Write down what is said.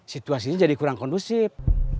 situasinya jadi kurang kondusif